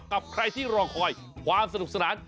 กับใครที่รอคอยความสนุกสนาน